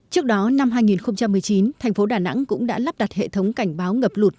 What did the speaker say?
trước đó năm hai nghìn một mươi chín thành phố đà nẵng cũng đã lắp đặt hệ thống cảnh báo ngập lụt